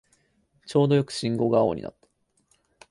ちょうどよく信号が青になった